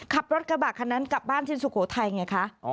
ขับรถกระบะคันนั้นกลับบ้านที่สุโขทัยไงคะ